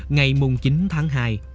ngày mùng chín tháng hai